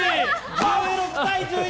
１６対１１。